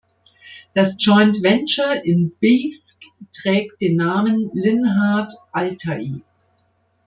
Das Joint Venture in Bijsk trägt den Namen „Linhardt Altai“.